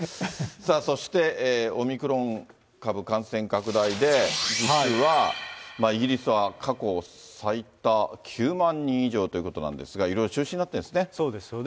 そして、オミクロン株感染拡大で、実はイギリスは過去最多、９万人以上ということなんですが、いろいろ中止になっているんですね。